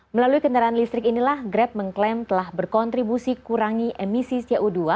melalui kendaraan listrik inilah grab mengklaim telah berkontribusi kurangi emisi co dua